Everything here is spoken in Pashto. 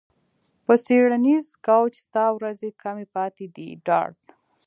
په څیړنیز کوچ ستا ورځې کمې پاتې دي ډارت